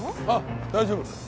ああ大丈夫。